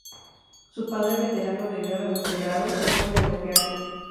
Su padre, veterano de guerra mutilado, se opone a lo que hace.